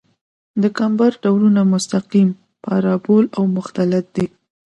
د کمبر ډولونه مستقیم، پارابول او مختلط دي